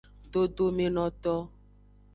Dodomenoto.